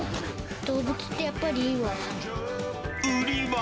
動物ってやっぱりいいわ。